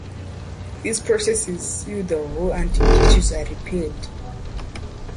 These processes seal the hole until tissues are repaired.